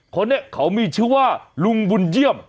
คนนี้เขามีชื่อว่าลุงบุญเยี่ยม